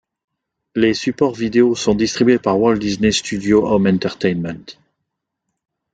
Les supports vidéo sont distribués par Walt Disney Studios Home Entertainment.